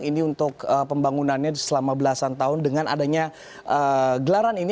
ini untuk pembangunannya selama belasan tahun dengan adanya gelaran ini